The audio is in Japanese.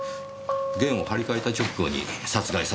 弦を張り替えた直後に殺害されたようですねぇ。